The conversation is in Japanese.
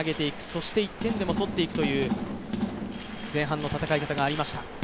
そして１点でも取っていくという前半の戦い方がありました。